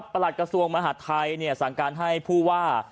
ประหลัดกระทรวงมหาธัยสั่งการให้ผู้ว่า